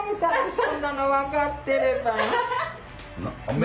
そんなのわかってればね。